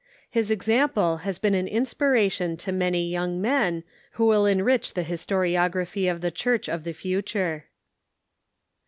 His example has been an inspiration to many young men, who will enrich the historiography of the Church of the Future.